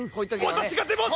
私が出ます！